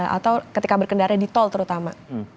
atau ketika berkendara di tol terutama